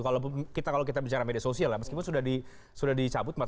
kalau kita bicara media sosial ya meskipun sudah dicabut